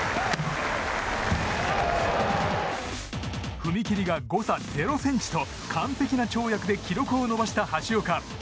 踏み切りが誤差０ｃｍと完璧な跳躍で記録を伸ばした橋岡。